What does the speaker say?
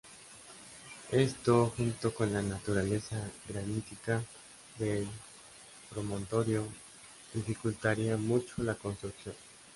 Esto junto con la naturaleza granítica del promontorio, dificultaría mucho la construcción.